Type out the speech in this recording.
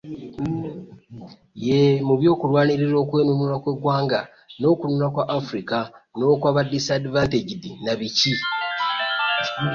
Yee, mu by’okulwanirira okwenunula kw’eggwanga, n’okununula kwa Africa, n’okwa ba disadvantaged na biki.